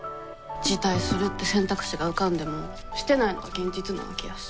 辞退するって選択肢が浮かんでもしてないのが現実なわけやし。